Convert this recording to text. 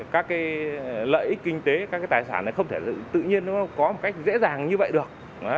các lợi ích kinh tế các tài sản không thể tự nhiên nó có một cách dễ dàng như vậy được